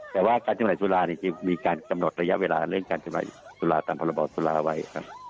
แต่ว่าการจำหน่าจุฬาจะมีการกำหนดระยะเวลาเรื่องการจำหน่ายตุลาตามพรบตุลาไว้ครับ